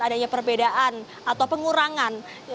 adanya perbedaan atau pengurangan